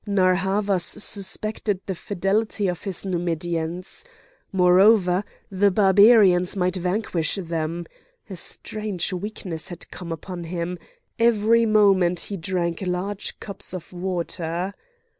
Narr' Havas suspected the fidelity of his Numidians. Moreover, the Barbarians might vanquish them. A strange weakness had come upon him; every moment he drank large cups of water.